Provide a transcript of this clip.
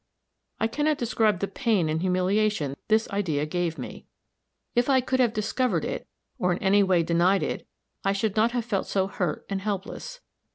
I can not describe the pain and humiliation this idea gave me. If I could have discovered it, or in any way denied it, I should not have felt so hurt and helpless.